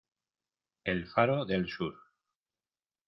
el faro del sur